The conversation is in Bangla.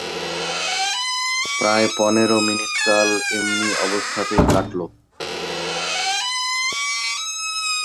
প্রায় পনেরো মিনিটকাল এমনি অবস্থাতেই কাটল।